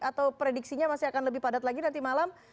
atau prediksinya masih akan lebih padat lagi nanti malam